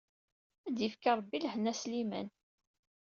Ad d-yefk Rebbi lehna a Sliman.